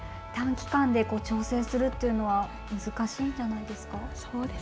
短期間で調整するというのは難しいんじゃないですか。